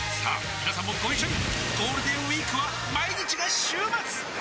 みなさんもご一緒にゴールデンウィークは毎日が週末！